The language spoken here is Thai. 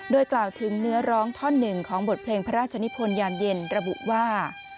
โดยกล่าวถึงเนื้อร้องท่อนหนึ่งของบทเพลงพระราชนิพลยามเย็นระบุว่า